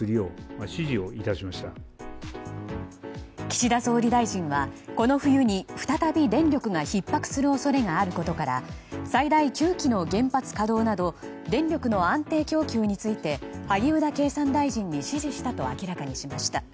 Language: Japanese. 岸田総理大臣はこの冬に、再び電力がひっ迫する恐れがあることから最大９基の原発稼働など電力の安定供給について萩生田経産大臣に指示したと明らかにしました。